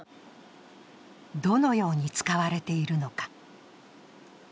どのように使われているのか。